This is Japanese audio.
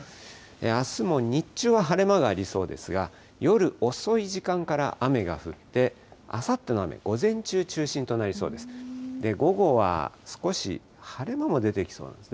あすも日中は晴れ間がありそうですが、夜遅い時間から雨が降って、あさっての雨、午前中中心となりそうです。